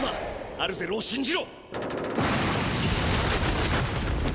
アルゼルをしんじろ！